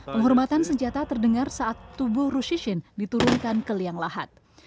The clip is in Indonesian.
penghormatan senjata terdengar saat tubuh rushishin diturunkan ke liang lahat